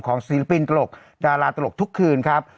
ศิลปินตลกดาราตลกทุกคืนครับ